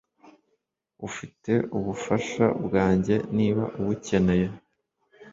ufite ubufasha bwanjye niba ubukeneye